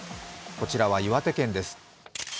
こちらは岩手県です。